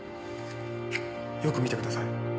よく見てください。